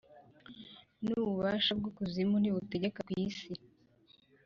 n’ububasha bw’Ukuzimu ntibutegeka ku isi,